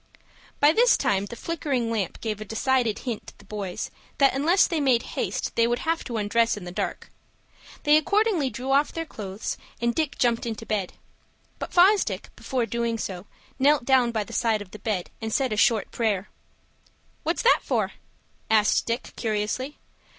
By this time the flickering lamp gave a decided hint to the boys that unless they made haste they would have to undress in the dark. They accordingly drew off their clothes, and Dick jumped into bed. But Fosdick, before doing so, knelt down by the side of the bed, and said a short prayer. "What's that for?" asked Dick, curiously.